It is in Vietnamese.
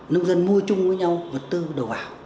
nông dân mua chung với nhau vật tư đồ ảo